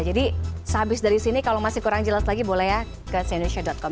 jadi sehabis dari sini kalau masih kurang jelas lagi boleh ya ke cnn indonesia com